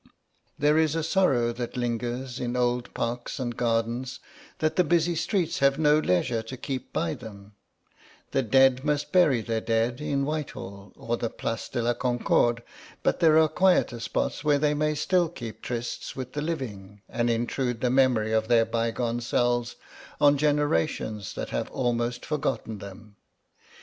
There is a sorrow that lingers in old parks and gardens that the busy streets have no leisure to keep by them; the dead must bury their dead in Whitehall or the Place de la Concorde, but there are quieter spots where they may still keep tryst with the living and intrude the memory of their bygone selves on generations that have almost forgotten them.